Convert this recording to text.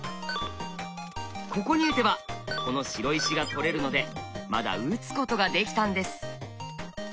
ここに打てばこの白石が取れるのでまだ打つことができたんです。